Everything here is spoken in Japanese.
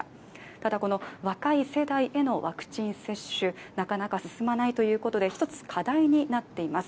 ただ、若い世代へのワクチン接種なかなか進まないということで一つ課題になっています。